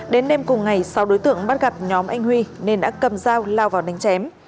đến đêm cùng ngày sáu đối tượng bắt gặp nhóm anh huy nên đã cầm dao lao vào đánh chém